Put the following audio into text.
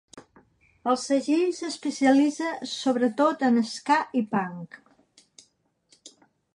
El segell s'especialitza sobre tot en ska i punk.